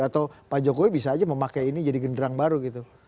atau pak jokowi bisa aja memakai ini jadi genderang baru gitu